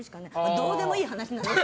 どうでもいい話なんです。